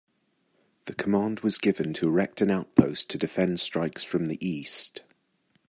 The command was given to erect an outpost to defend strikes from the east.